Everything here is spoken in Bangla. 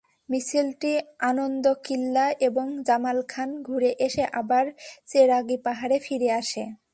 মিছিলটি আন্দরকিল্লা এবং জামালখান ঘুরে এসে আবার চেরাগি পাহাড়ে ফিরে আসে।